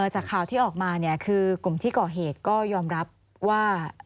จากข่าวที่ออกมาคือกลุ่มที่ก่อเหตุก็ยอมรับว่า